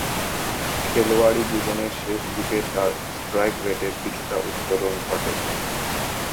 খেলোয়াড়ী জীবনের শেষদিকে তার স্ট্রাইক রেটের কিছুটা উত্তরণ ঘটে।